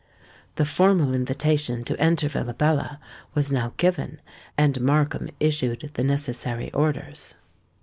The formal invitation to enter Villabella was now given; and Markham issued the necessary orders.